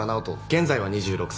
現在は２６歳。